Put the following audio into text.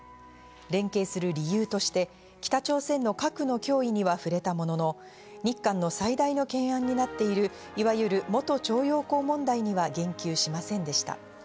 連携する理由として北朝鮮の核の脅威には触れたものの、日韓の最大の懸案になっている、いわゆる元徴用工問題には言及しませんでした。